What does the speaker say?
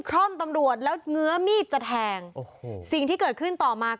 รอขึ้น